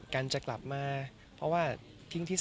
ก็มีไปคุยกับคนที่เป็นคนแต่งเพลงแนวนี้